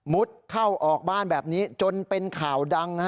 เข้าออกบ้านแบบนี้จนเป็นข่าวดัง